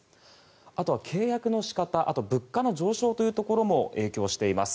あとは契約の仕方物価の上昇というところも影響しています。